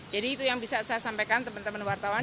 jadi itu yang bisa saya sampaikan teman teman wartawan